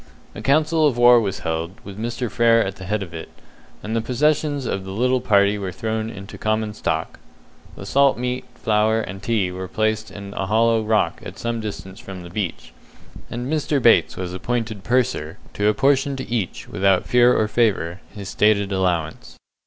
A council of war was held, with Mr. Frere at the head of it, and the possessions of the little party were thrown into common stock. The salt meat, flour, and tea were placed in a hollow rock at some distance from the beach, and Mr. Bates was appointed purser, to apportion to each, without fear or favour, his stated allowance.